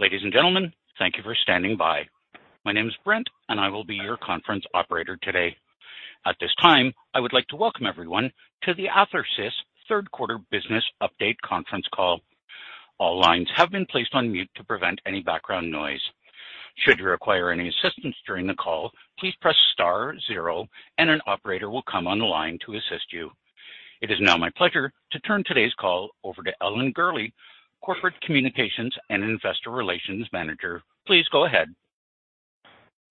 Ladies and gentlemen, thank you for standing by. My name is Brent, and I will be your conference operator today. At this time, I would like to welcome everyone to the Athersys third quarter business update conference call. All lines have been placed on mute to prevent any background noise. Should you require any assistance during the call, please press star zero and an operator will come on the line to assist you. It is now my pleasure to turn today's call over to Ellen Gurley, Corporate Communications and Investor Relations Manager. Please go ahead.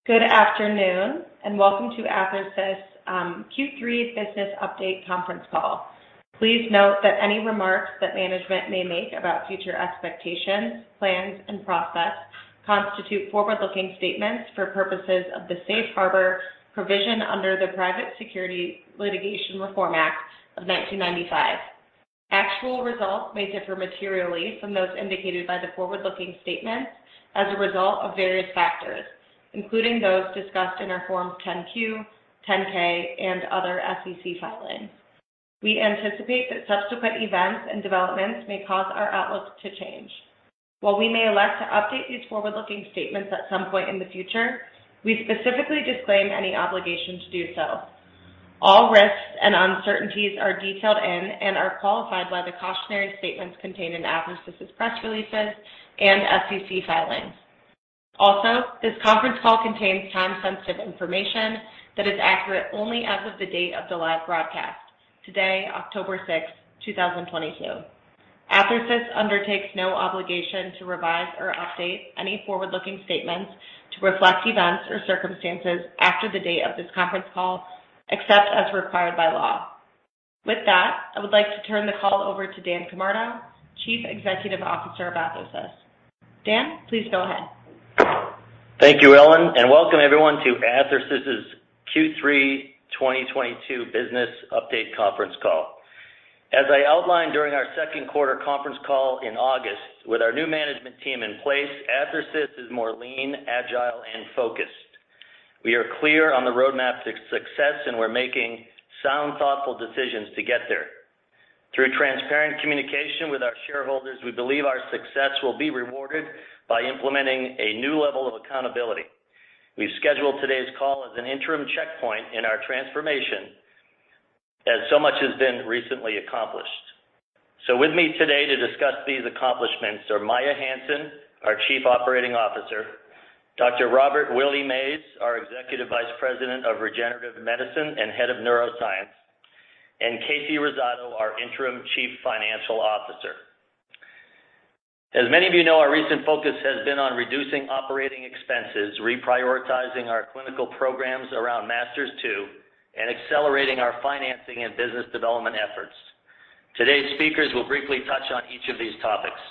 Good afternoon and welcome to Athersys Q3 business update conference call. Please note that any remarks that management may make about future expectations, plans and process constitute forward-looking statements for purposes of the safe harbor provision under the Private Securities Litigation Reform Act of 1995. Actual results may differ materially from those indicated by the forward-looking statements as a result of various factors, including those discussed in our Forms 10-Q, 10-K and other SEC filings. We anticipate that subsequent events and developments may cause our outlook to change. While we may elect to update these forward-looking statements at some point in the future, we specifically disclaim any obligation to do so. All risks and uncertainties are detailed in and are qualified by the cautionary statements contained in Athersys' press releases and SEC filings. Also, this conference call contains time-sensitive information that is accurate only as of the date of the last broadcast, today, October 6th, 2022. Athersys undertakes no obligation to revise or update any forward-looking statements to reflect events or circumstances after the date of this conference call, except as required by law. With that, I would like to turn the call over to Dan Camardo, Chief Executive Officer of Athersys. Dan, please go ahead. Thank you, Ellen, and welcome everyone to Athersys' Q3 2022 business update conference call. As I outlined during our second quarter conference call in August, with our new management team in place, Athersys is more lean, agile and focused. We are clear on the roadmap to success and we're making sound thoughtful decisions to get there. Through transparent communication with our shareholders, we believe our success will be rewarded by implementing a new level of accountability. We've scheduled today's call as an interim checkpoint in our transformation as so much has been recently accomplished. With me today to discuss these accomplishments are Maia Hansen, our Chief Operating Officer, Dr. Robert Willie Mays, our Executive Vice President of Regenerative Medicine and Head of Neuroscience, and Kasey Rosado, our interim Chief Financial Officer. As many of you know, our recent focus has been on reducing operating expenses, reprioritizing our clinical programs around MASTERS-2, and accelerating our financing and business development efforts. Today's speakers will briefly touch on each of these topics.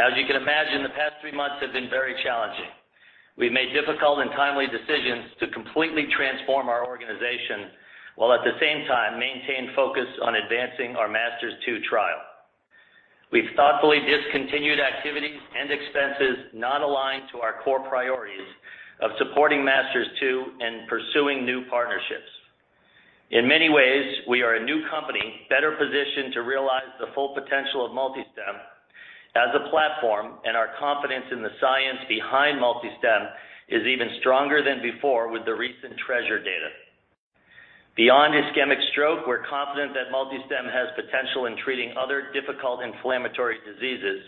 As you can imagine, the past three months have been very challenging. We've made difficult and timely decisions to completely transform our organization while at the same time maintain focus on advancing our MASTERS-2 trial. We've thoughtfully discontinued activities and expenses not aligned to our core priorities of supporting MASTERS-2 and pursuing new partnerships. In many ways, we are a new company, better positioned to realize the full potential of MultiStem as a platform, and our confidence in the science behind MultiStem is even stronger than before with the recent TREASURE data. Beyond ischemic stroke, we're confident that MultiStem has potential in treating other difficult inflammatory diseases,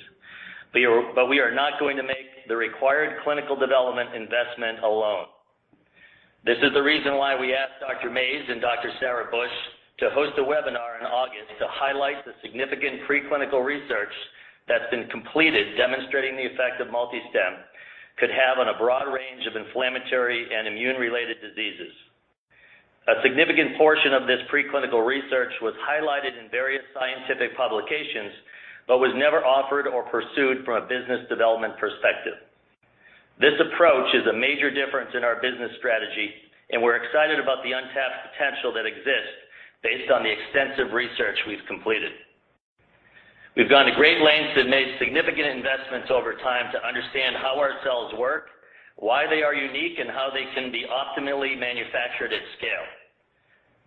but we are not going to make the required clinical development investment alone. This is the reason why we asked Dr. Mays and Dr. Sarah Bush to host a webinar in August to highlight the significant pre-clinical research that's been completed demonstrating the effect that MultiStem could have on a broad range of inflammatory and immune-related diseases. A significant portion of this pre-clinical research was highlighted in various scientific publications, but was never offered or pursued from a business development perspective. This approach is a major difference in our business strategy, and we're excited about the untapped potential that exists based on the extensive research we've completed. We've gone to great lengths and made significant investments over time to understand how our cells work, why they are unique, and how they can be optimally manufactured at scale.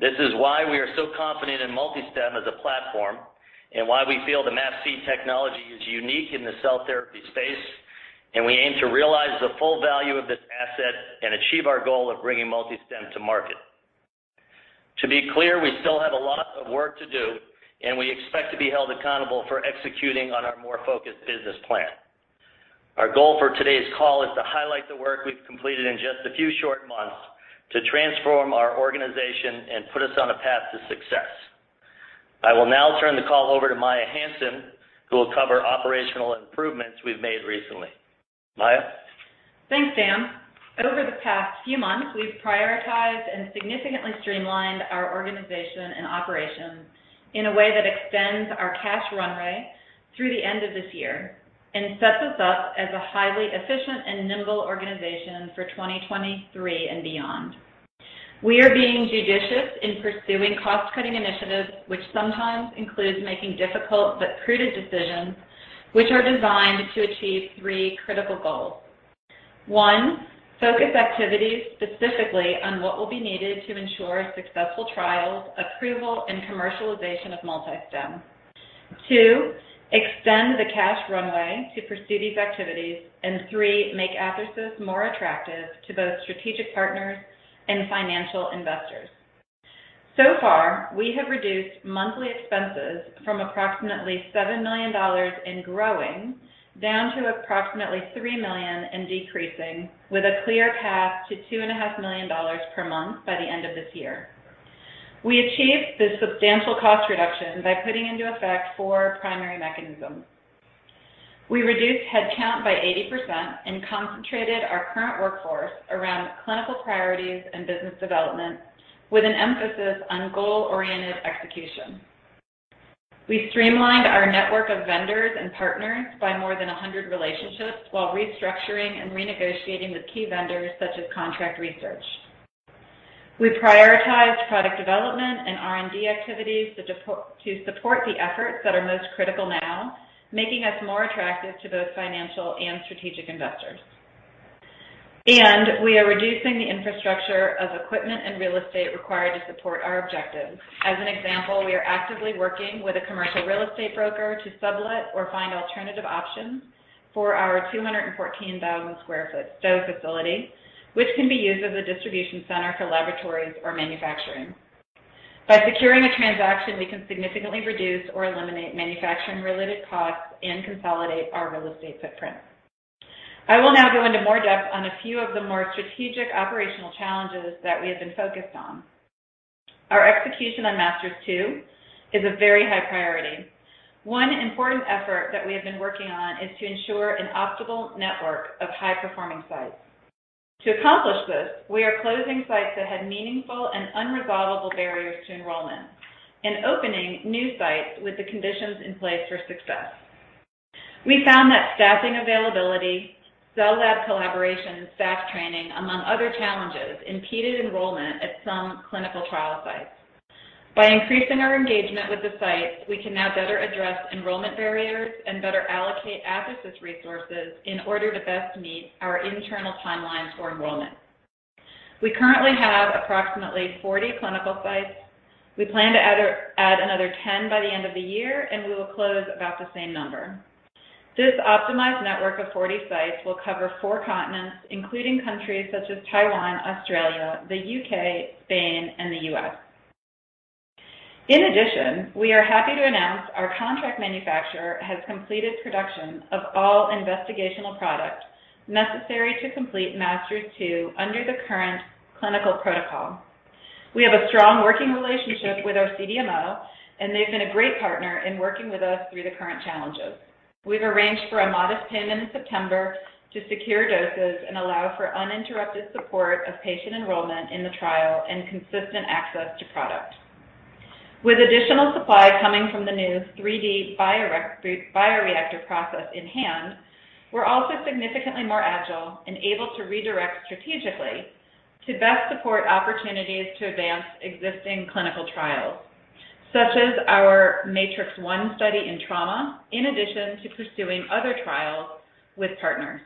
This is why we are so confident in MultiStem as a platform and why we feel the MAPC technology is unique in the cell therapy space, and we aim to realize the full value of this asset and achieve our goal of bringing MultiStem to market. To be clear, we still have a lot of work to do and we expect to be held accountable for executing on our more focused business plan. Our goal for today's call is to highlight the work we've completed in just a few short months to transform our organization and put us on a path to success. I will now turn the call over to Maia Hansen, who will cover operational improvements we've made recently. Maia. Thanks, Dan. Over the past few months, we've prioritized and significantly streamlined our organization and operations in a way that extends our cash runway through the end of this year and sets us up as a highly efficient and nimble organization for 2023 and beyond. We are being judicious in pursuing cost-cutting initiatives, which sometimes includes making difficult but prudent decisions which are designed to achieve three critical goals. One, focus activities specifically on what will be needed to ensure successful trials, approval, and commercialization of MultiStem. Two, extend the cash runway to pursue these activities. Three, make Athersys more attractive to both strategic partners and financial investors. So far, we have reduced monthly expenses from approximately $7 million down to approximately $3 million, with a clear path to $2.5 million per month by the end of this year. We achieved this substantial cost reduction by putting into effect four primary mechanisms. We reduced headcount by 80% and concentrated our current workforce around clinical priorities and business development, with an emphasis on goal-oriented execution. We streamlined our network of vendors and partners by more than 100 relationships while restructuring and renegotiating with key vendors such as contract research. We prioritized product development and R&D activities to support the efforts that are most critical now, making us more attractive to both financial and strategic investors. We are reducing the infrastructure of equipment and real estate required to support our objectives. As an example, we are actively working with a commercial real estate broker to sublet or find alternative options for our 214,000 sq ft Stow facility, which can be used as a distribution center for laboratories or manufacturing. By securing a transaction, we can significantly reduce or eliminate manufacturing-related costs and consolidate our real estate footprint. I will now go into more depth on a few of the more strategic operational challenges that we have been focused on. Our execution on MASTERS-2 is a very high priority. One important effort that we have been working on is to ensure an optimal network of high-performing sites. To accomplish this, we are closing sites that had meaningful and unresolvable barriers to enrollment and opening new sites with the conditions in place for success. We found that staffing availability, cell lab collaboration, and staff training, among other challenges, impeded enrollment at some clinical trial sites. By increasing our engagement with the sites, we can now better address enrollment barriers and better allocate Athersys resources in order to best meet our internal timelines for enrollment. We currently have approximately 40 clinical sites. We plan to add another 10 by the end of the year, and we will close about the same number. This optimized network of 40 sites will cover 4 continents, including countries such as Taiwan, Australia, the U.K., Spain, and the U.S. In addition, we are happy to announce our contract manufacturer has completed production of all investigational product necessary to complete MASTERS-2 under the current clinical protocol. We have a strong working relationship with our CDMO, and they've been a great partner in working with us through the current challenges. We've arranged for a modest payment in September to secure doses and allow for uninterrupted support of patient enrollment in the trial and consistent access to product. With additional supply coming from the new 3D bioreactor process in hand, we're also significantly more agile and able to redirect strategically to best support opportunities to advance existing clinical trials, such as our MATRICS-1 study in trauma, in addition to pursuing other trials with partners.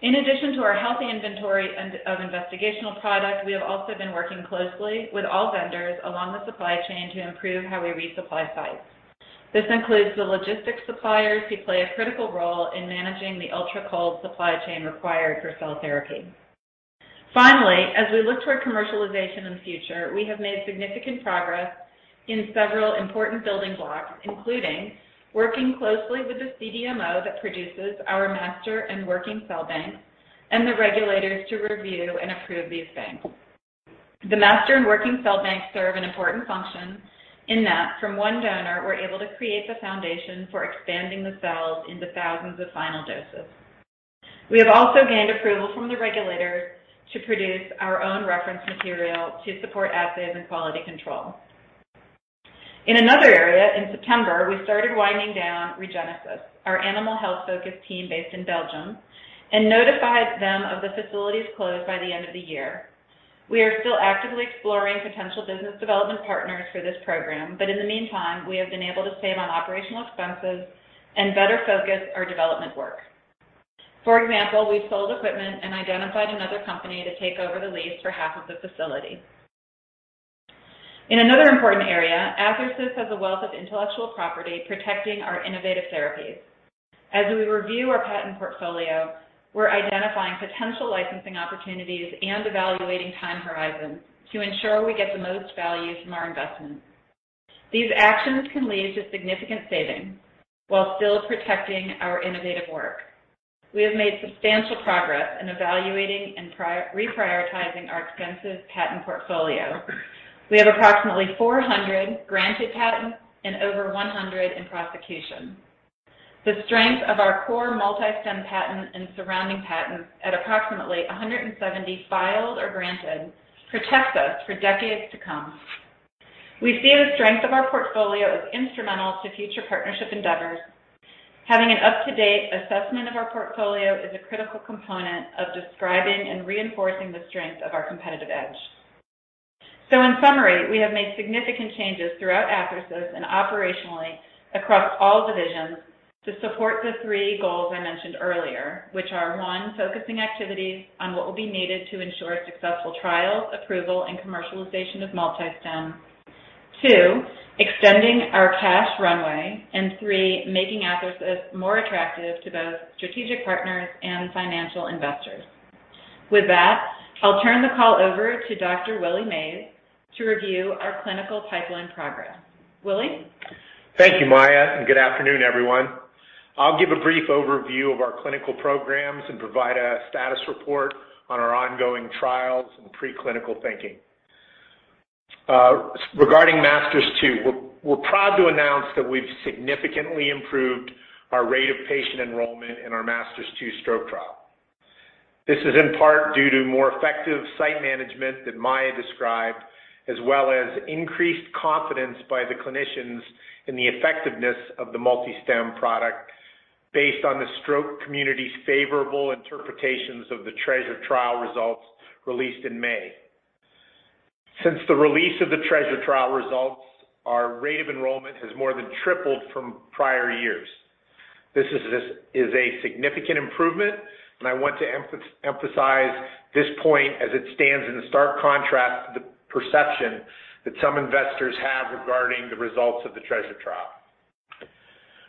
In addition to our healthy inventory of investigational product, we have also been working closely with all vendors along the supply chain to improve how we resupply sites. This includes the logistics suppliers who play a critical role in managing the ultra-cold supply chain required for cell therapy. Finally, as we look toward commercialization in the future, we have made significant progress in several important building blocks, including working closely with the CDMO that produces our master and working cell banks and the regulators to review and approve these banks. The master and working cell banks serve an important function in that from one donor, we're able to create the foundation for expanding the cells into thousands of final doses. We have also gained approval from the regulators to produce our own reference material to support assays and quality control. In another area, in September, we started winding down ReGenesys, our animal health-focused team based in Belgium, and notified them of the facility's closure by the end of the year. We are still actively exploring potential business development partners for this program, but in the meantime, we have been able to save on operational expenses and better focus our development work. For example, we've sold equipment and identified another company to take over the lease for half of the facility. In another important area, Athersys has a wealth of intellectual property protecting our innovative therapies. As we review our patent portfolio, we're identifying potential licensing opportunities and evaluating time horizons to ensure we get the most value from our investments. These actions can lead to significant savings while still protecting our innovative work. We have made substantial progress in evaluating and reprioritizing our extensive patent portfolio. We have approximately 400 granted patents and over 100 in prosecution. The strength of our core MultiStem patent and surrounding patents at approximately 170 filed or granted protects us for decades to come. We view the strength of our portfolio as instrumental to future partnership endeavors. Having an up-to-date assessment of our portfolio is a critical component of describing and reinforcing the strength of our competitive edge. In summary, we have made significant changes throughout Athersys and operationally across all divisions to support the three goals I mentioned earlier, which are one, focusing activities on what will be needed to ensure successful trials, approval, and commercialization of MultiStem. Two, extending our cash runway. And three, making Athersys more attractive to both strategic partners and financial investors. With that, I'll turn the call over to Dr. Willie Mays to review our clinical pipeline progress. Willie? Thank you, Maia, and good afternoon, everyone. I'll give a brief overview of our clinical programs and provide a status report on our ongoing trials and preclinical thinking. Regarding MASTERS-2, we're proud to announce that we've significantly improved our rate of patient enrollment in our MASTERS-2 stroke trial. This is in part due to more effective site management that Maia described, as well as increased confidence by the clinicians in the effectiveness of the MultiStem product based on the stroke community's favorable interpretations of the TREASURE trial results released in May. Since the release of the TREASURE trial results, our rate of enrollment has more than tripled from prior years. This is a significant improvement, and I want to emphasize this point as it stands in stark contrast to the perception that some investors have regarding the results of the TREASURE trial.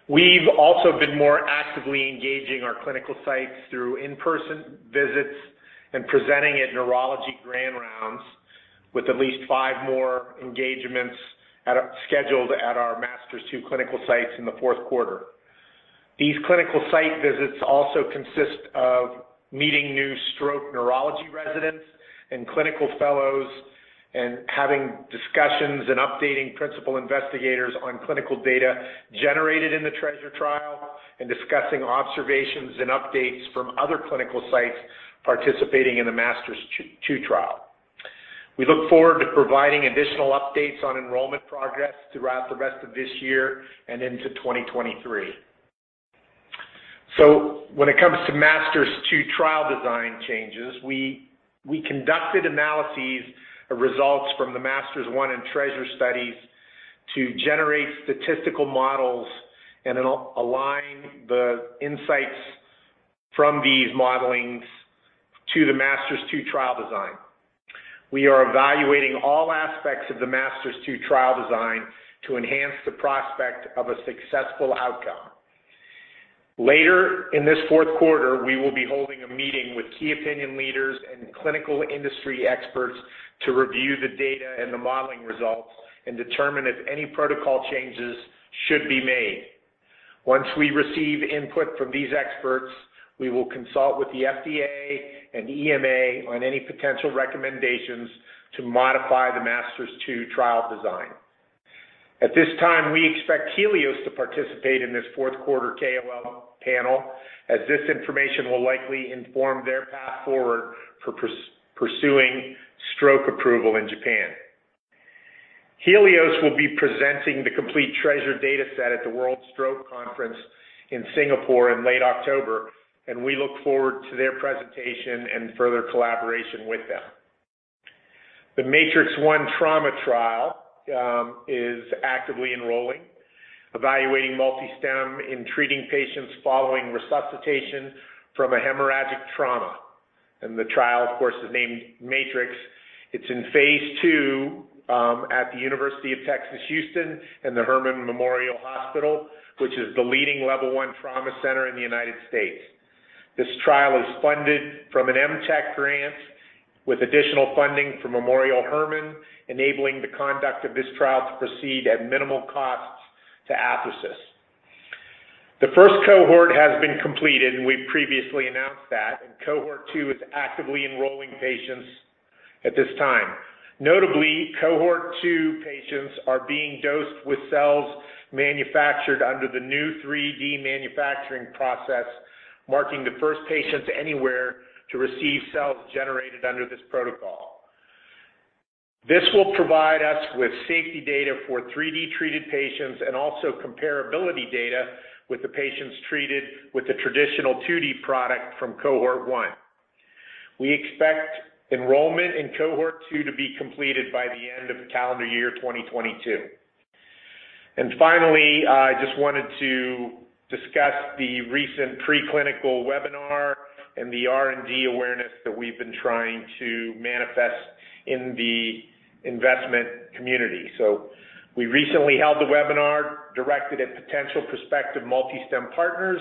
We've also been more actively engaging our clinical sites through in-person visits and presenting at neurology grand rounds with at least five more engagements scheduled at our MASTERS-2 clinical sites in the fourth quarter. These clinical site visits also consist of meeting new stroke neurology residents and clinical fellows, and having discussions and updating principal investigators on clinical data generated in the TREASURE trial, and discussing observations and updates from other clinical sites participating in the MASTERS-2 trial. We look forward to providing additional updates on enrollment progress throughout the rest of this year and into 2023. When it comes to MASTERS-2 trial design changes, we conducted analyses of results from the MASTERS-1 and TREASURE studies to generate statistical models and then align the insights from these modelings to the MASTERS-2 trial design. We are evaluating all aspects of the MASTERS-2 trial design to enhance the prospect of a successful outcome. Later in this fourth quarter, we will be holding a meeting with key opinion leaders and clinical industry experts to review the data and the modeling results and determine if any protocol changes should be made. Once we receive input from these experts, we will consult with the FDA and EMA on any potential recommendations to modify the MASTERS-2 trial design. At this time, we expect Healios to participate in this fourth quarter KOL panel, as this information will likely inform their path forward for pursuing stroke approval in Japan. Healios will be presenting the complete TREASURE data set at the World Stroke Congress in Singapore in late October, and we look forward to their presentation and further collaboration with them. The MATRICS-1 trauma trial is actively enrolling, evaluating MultiStem in treating patients following resuscitation from a hemorrhagic trauma. The trial, of course, is named MATRICS. It's in phase two at The University of Texas Health Science Center at Houston and Memorial Hermann Hospital, which is the leading level one trauma center in the United States. This trial is funded from an MTEC grant with additional funding from Memorial Hermann, enabling the conduct of this trial to proceed at minimal costs to Athersys. The first cohort has been completed, and we previously announced that, and cohort two is actively enrolling patients at this time. Notably, cohort two patients are being dosed with cells manufactured under the new 3D manufacturing process, marking the first patients anywhere to receive cells generated under this protocol. This will provide us with safety data for 3D-treated patients and also comparability data with the patients treated with the traditional 2D product from cohort one. We expect enrollment in cohort two to be completed by the end of calendar year 2022. Finally, I just wanted to discuss the recent preclinical webinar and the R&D awareness that we've been trying to manifest in the investment community. We recently held a webinar directed at potential prospective MultiStem partners,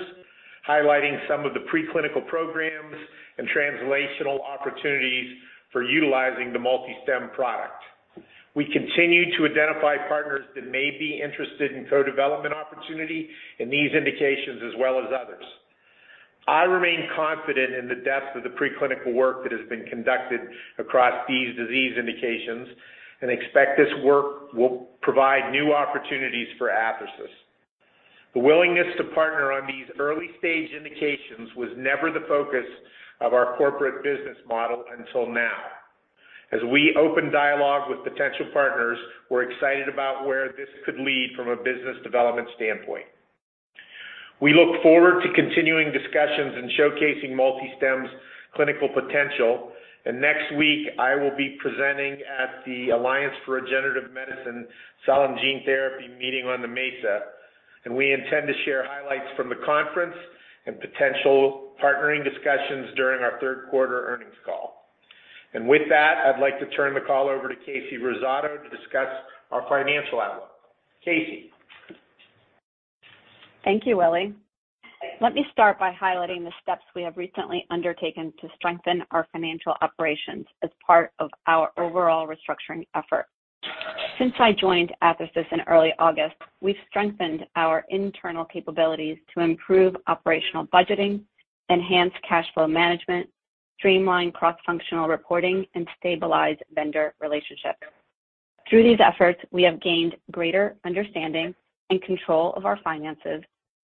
highlighting some of the preclinical programs and translational opportunities for utilizing the MultiStem product. We continue to identify partners that may be interested in co-development opportunity in these indications as well as others. I remain confident in the depth of the preclinical work that has been conducted across these disease indications and expect this work will provide new opportunities for Athersys. The willingness to partner on these early-stage indications was never the focus of our corporate business model until now. As we open dialogue with potential partners, we're excited about where this could lead from a business development standpoint. We look forward to continuing discussions and showcasing MultiStem's clinical potential. Next week, I will be presenting at the Alliance for Regenerative Medicine Cell & Gene Meeting on the Mesa. We intend to share highlights from the conference and potential partnering discussions during our third quarter earnings call. With that, I'd like to turn the call over to Kasey Rosado to discuss our financial outlook. Kasey? Thank you, Willie. Let me start by highlighting the steps we have recently undertaken to strengthen our financial operations as part of our overall restructuring effort. Since I joined Athersys in early August, we've strengthened our internal capabilities to improve operational budgeting, enhance cash flow management, streamline cross-functional reporting, and stabilize vendor relationships. Through these efforts, we have gained greater understanding and control of our finances,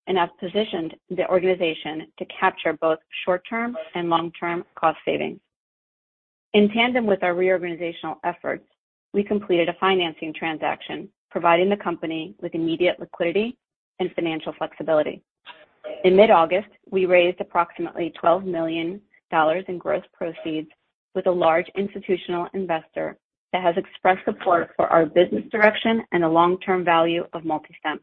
and have positioned the organization to capture both short-term and long-term cost savings. In tandem with our reorganizational efforts, we completed a financing transaction, providing the company with immediate liquidity and financial flexibility. In mid-August, we raised approximately $12 million in gross proceeds with a large institutional investor that has expressed support for our business direction and the long-term value of MultiStem.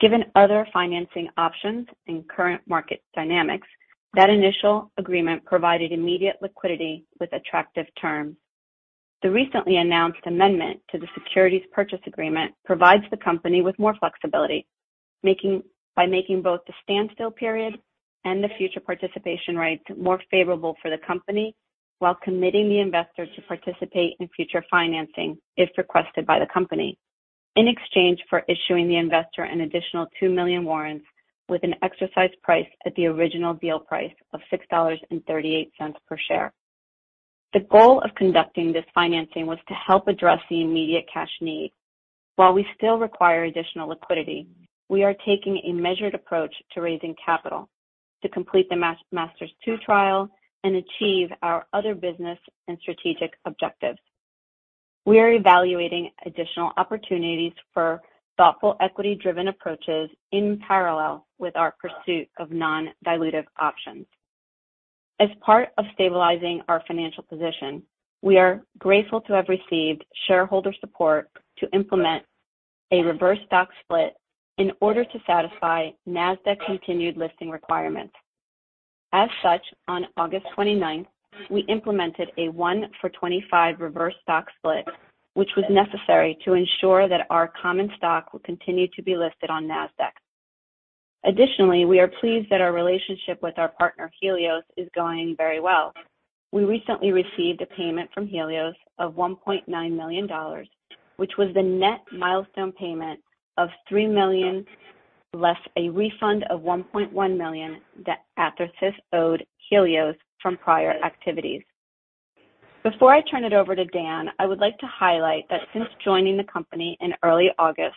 Given other financing options and current market dynamics, that initial agreement provided immediate liquidity with attractive terms. The recently announced amendment to the securities purchase agreement provides the company with more flexibility, making both the standstill period and the future participation rights more favorable for the company, while committing the investor to participate in future financing if requested by the company, in exchange for issuing the investor an additional 2 million warrants with an exercise price at the original deal price of $6.38 per share. The goal of conducting this financing was to help address the immediate cash need. While we still require additional liquidity, we are taking a measured approach to raising capital to complete the MASTERS-2 trial and achieve our other business and strategic objectives. We are evaluating additional opportunities for thoughtful equity-driven approaches in parallel with our pursuit of non-dilutive options. As part of stabilizing our financial position, we are grateful to have received shareholder support to implement a reverse stock split in order to satisfy Nasdaq continued listing requirements. As such, on August twenty-ninth, we implemented a 1-for-25 reverse stock split, which was necessary to ensure that our common stock will continue to be listed on Nasdaq. Additionally, we are pleased that our relationship with our partner, Healios, is going very well. We recently received a payment from Healios of $1.9 million, which was the net milestone payment of $3 million, less a refund of $1.1 million that Athersys owed Healios from prior activities. Before I turn it over to Dan, I would like to highlight that since joining the company in early August,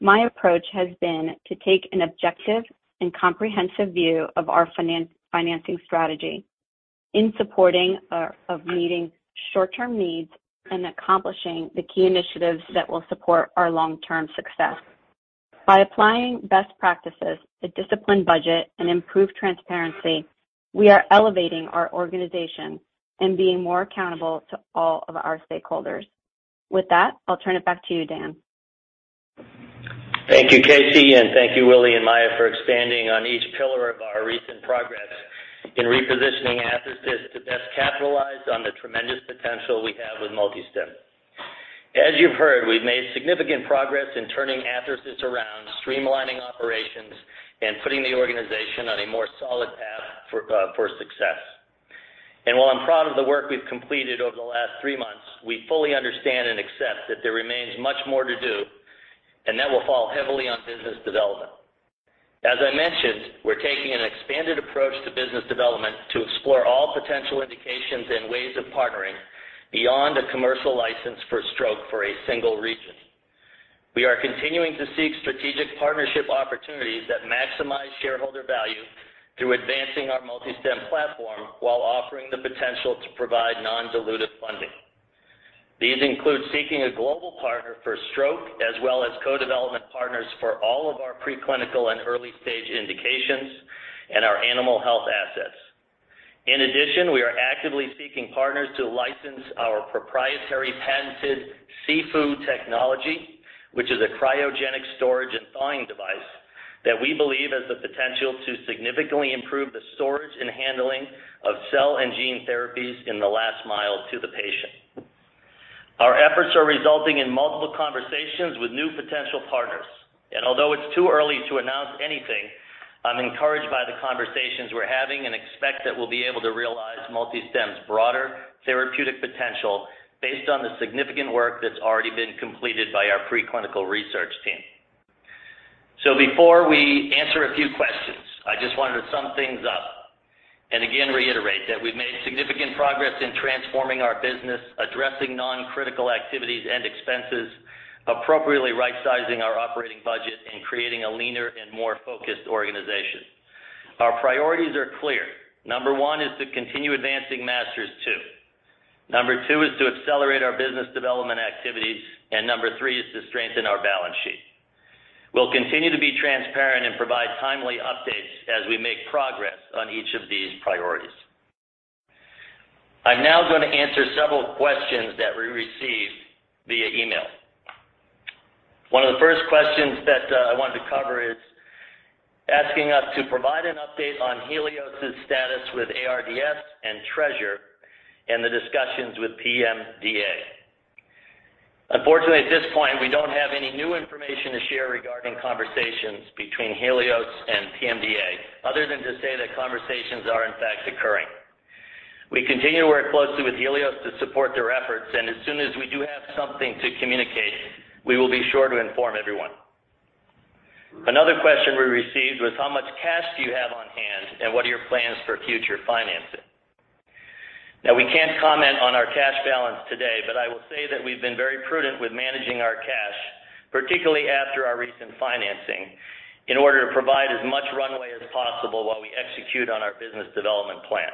my approach has been to take an objective and comprehensive view of our financing strategy of meeting short-term needs and accomplishing the key initiatives that will support our long-term success. By applying best practices, a disciplined budget, and improved transparency, we are elevating our organization and being more accountable to all of our stakeholders. With that, I'll turn it back to you, Dan. Thank you, Kasey, and thank you, Willie and Maia, for expanding on each pillar of our recent progress in repositioning Athersys to best capitalize on the tremendous potential we have with MultiStem. As you've heard, we've made significant progress in turning Athersys around, streamlining operations, and putting the organization on a more solid path for success. While I'm proud of the work we've completed over the last three months, we fully understand and accept that there remains much more to do, and that will fall heavily on business development. As I mentioned, we're taking an expanded approach to business development to explore all potential indications and ways of partnering beyond a commercial license for stroke for a single region. We are continuing to seek strategic partnership opportunities that maximize shareholder value through advancing our MultiStem platform while offering the potential to provide non-dilutive funding. These include seeking a global partner for stroke, as well as co-development partners for all of our preclinical and early-stage indications and our animal health assets. In addition, we are actively seeking partners to license our proprietary patented SIFU technology, which is a cryogenic storage and thawing device that we believe has the potential to significantly improve the storage and handling of cell and gene therapies in the last mile to the patient. Our efforts are resulting in multiple conversations with new potential partners, and although it's too early to announce anything, I'm encouraged by the conversations we're having and expect that we'll be able to realize MultiStem's broader therapeutic potential based on the significant work that's already been completed by our preclinical research team. Before we answer a few questions, I just wanted to sum things up and again reiterate that we've made significant progress in transforming our business, addressing non-critical activities and expenses, appropriately rightsizing our operating budget, and creating a leaner and more focused organization. Our priorities are clear. Number one is to continue advancing MASTERS-2. Number two is to accelerate our business development activities, and number three is to strengthen our balance sheet. We'll continue to be transparent and provide timely updates as we make progress on each of these priorities. I'm now gonna answer several questions that we received via email. One of the first questions that I wanted to cover is asking us to provide an update on Healios' status with ARDS and TREASURE and the discussions with PMDA. Unfortunately, at this point, we don't have any new information to share regarding conversations between Healios and PMDA, other than to say that conversations are in fact occurring. We continue to work closely with Healios to support their efforts, and as soon as we do have something to communicate, we will be sure to inform everyone. Another question we received was how much cash do you have on hand, and what are your plans for future financing? Now, we can't comment on our cash balance today, but I will say that we've been very prudent with managing our cash, particularly after our recent financing, in order to provide as much runway as possible while we execute on our business development plan.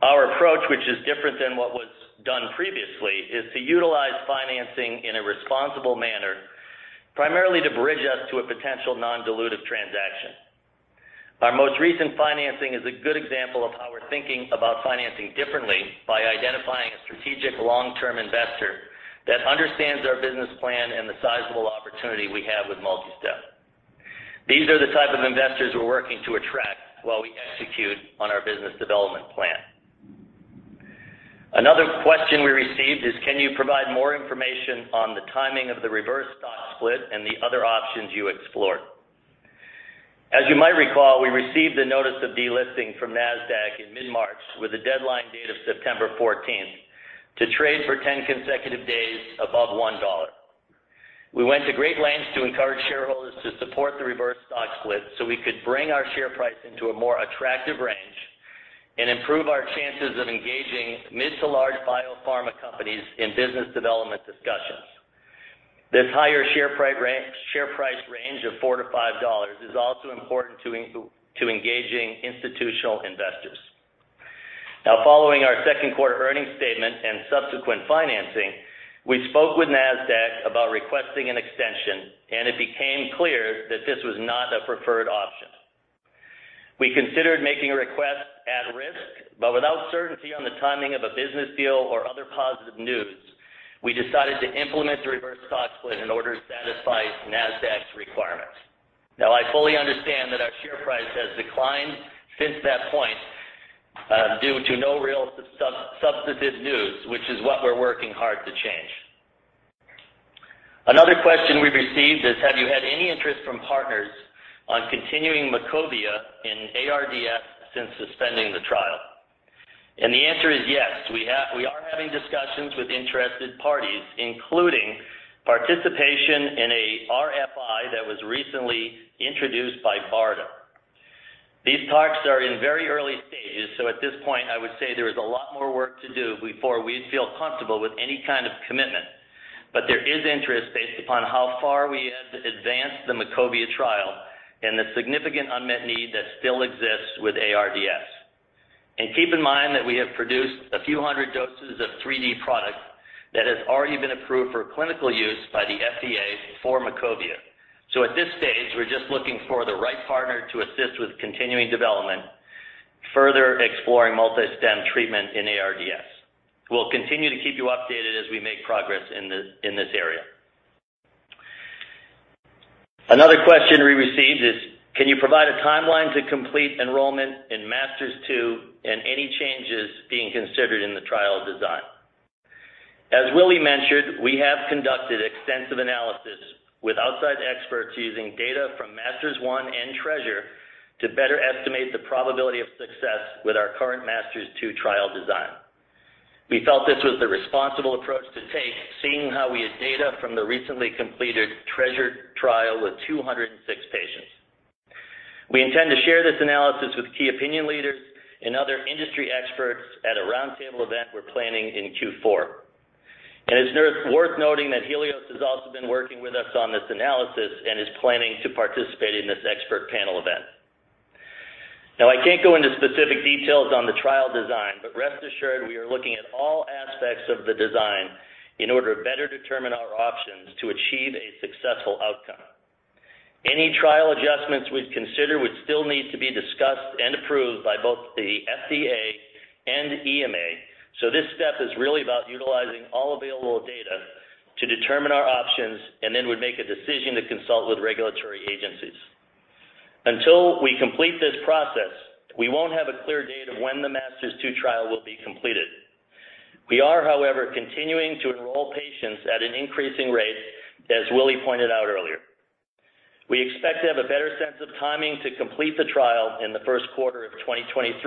Our approach, which is different than what was done previously, is to utilize financing in a responsible manner, primarily to bridge us to a potential non-dilutive transaction. Our most recent financing is a good example of how we're thinking about financing differently by identifying a strategic long-term investor that understands our business plan and the sizable opportunity we have with MultiStem. These are the type of investors we're working to attract while we execute on our business development plan. Another question we received is, can you provide more information on the timing of the reverse stock split and the other options you explored? As you might recall, we received a notice of delisting from Nasdaq in mid-March with a deadline date of September fourteenth to trade for 10 consecutive days above $1. We went to great lengths to encourage shareholders to support the reverse stock split so we could bring our share price into a more attractive range and improve our chances of engaging mid to large biopharma companies in business development discussions. This higher share price range of $4-$5 is also important to engaging institutional investors. Now, following our second quarter earnings statement and subsequent financing, we spoke with Nasdaq about requesting an extension, and it became clear that this was not a preferred option. We considered making a request at risk, but without certainty on the timing of a business deal or other positive news, we decided to implement the reverse stock split in order to satisfy Nasdaq's requirements. Now, I fully understand that our share price has declined since that point, due to no real substantive news, which is what we're working hard to change. Another question we received is, have you had any interest from partners on continuing MACOVIA in ARDS since suspending the trial? The answer is yes. We are having discussions with interested parties, including participation in a RFI that was recently introduced by BARDA. These talks are in very early stages, so at this point I would say there is a lot more work to do before we'd feel comfortable with any kind of commitment. There is interest based upon how far we had advanced the MACOVIA trial and the significant unmet need that still exists with ARDS. Keep in mind that we have produced a few hundred doses of 3D product that has already been approved for clinical use by the FDA for MACOVIA. At this stage, we're just looking for the right partner to assist with continuing development, further exploring MultiStem treatment in ARDS. We'll continue to keep you updated as we make progress in this area. Another question we received is, can you provide a timeline to complete enrollment in MASTERS-2 and any changes being considered in the trial design? As Willie mentioned, we have conducted extensive analysis with outside experts using data from MASTERS-1 and TREASURE to better estimate the probability of success with our current MASTERS-2 trial design. We felt this was the responsible approach to take, seeing how we had data from the recently completed TREASURE trial with 206 patients. We intend to share this analysis with key opinion leaders and other industry experts at a roundtable event we're planning in Q4. It's worth noting that Healios has also been working with us on this analysis and is planning to participate in this expert panel event. I can't go into specific details on the trial design, but rest assured we are looking at all aspects of the design in order to better determine our options to achieve a successful outcome. Any trial adjustments we'd consider would still need to be discussed and approved by both the FDA and EMA. This step is really about utilizing all available data to determine our options, and then would make a decision to consult with regulatory agencies. Until we complete this process, we won't have a clear date of when the MASTERS-2 trial will be completed. We are, however, continuing to enroll patients at an increasing rate, as Willie pointed out earlier. We expect to have a better sense of timing to complete the trial in the first quarter of 2023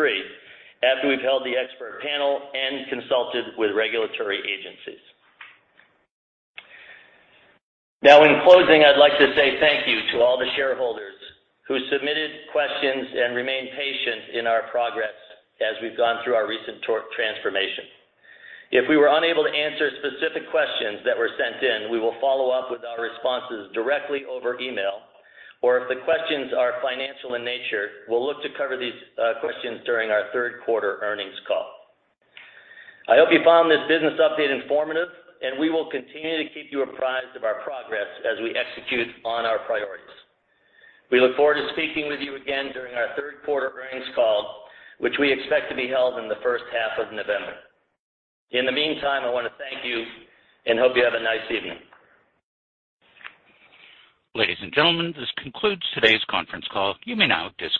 after we've held the expert panel and consulted with regulatory agencies. Now in closing, I'd like to say thank you to all the shareholders who submitted questions and remained patient in our progress as we've gone through our recent transformation. If we were unable to answer specific questions that were sent in, we will follow up with our responses directly over email. Or if the questions are financial in nature, we'll look to cover these questions during our third quarter earnings call. I hope you found this business update informative, and we will continue to keep you apprised of our progress as we execute on our priorities. We look forward to speaking with you again during our third quarter earnings call, which we expect to be held in the first half of November. In the meantime, I wanna thank you and hope you have a nice evening. Ladies and gentlemen, this concludes today's conference call. You may now disconnect.